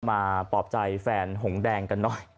ปลอบใจแฟนหงแดงกันหน่อย